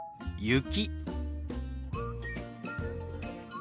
雪。